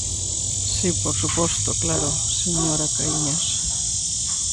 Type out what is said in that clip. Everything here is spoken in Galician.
Si, por suposto, claro, señora Caíñas.